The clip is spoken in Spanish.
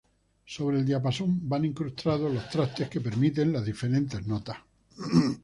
Sobre el diapasón van incrustados los trastes, que permiten las diferentes notas.